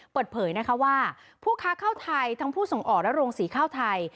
เปิดเผยนะคะว่าผู้ค้าข้าวไทยทั้งผู้ส่งออกและโรงสีข้าวไทย